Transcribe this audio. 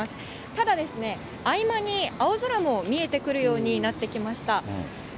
ただですね、合間に青空も見えてくるようになってきました。